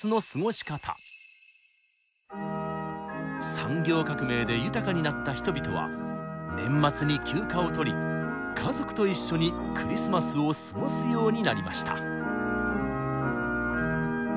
産業革命で豊かになった人々は年末に休暇を取り家族と一緒にクリスマスを過ごすようになりました。